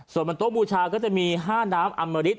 ส่วนบนโต๊ะบูชาก็จะมี๕น้ำอำมริต